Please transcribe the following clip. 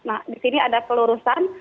nah di sini ada pelurusan